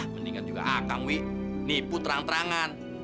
mendingan juga akang wih nipu terang terangan